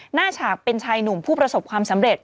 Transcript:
ฉากเป็นชายหนุ่มผู้ประสบความสำเร็จ